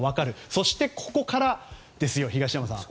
そしてここからです、東山さん。